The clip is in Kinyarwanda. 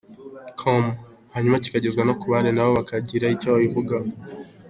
com hanyuma kikagezwa no ku bandi nabo bakagira icyo babivugaho.